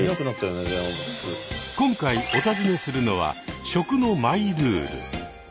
今回お尋ねするのは「食のマイルール」。